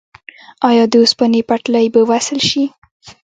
آیا د اوسپنې پټلۍ به وصل شي؟